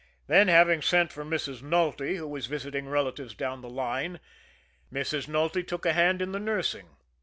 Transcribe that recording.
Then, having sent for Mrs. Nulty, who was visiting relatives down the line, Mrs. Nulty took a hand in the nursing.